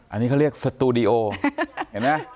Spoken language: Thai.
อันนี้เขาเรียกสตูดิโอเห็นไหม